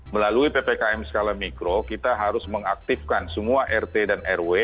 melalui ppkm skala mikro kita harus mengaktifkan semua rt dan rw